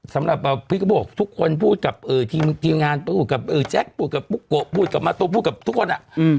สำหรับพี่ก็บอกทุกคนพูดกับทีมงานตู้กับแจ๊คพูดกับปุ๊กโกะพูดกับมะตูพูดกับทุกคนอ่ะ